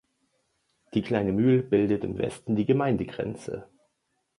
Die Kleine Mühl bildet im Westen die Gemeindegrenze.